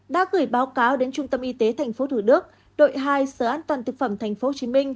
đã gửi báo cáo đến trung tâm y tế tp thủ đức đội hai sở an toàn thực phẩm tp hcm